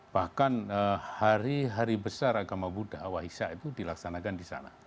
bahkan hari hari besar agama buddha waisyah itu dilaksanakan di sana